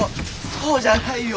そうじゃないよ。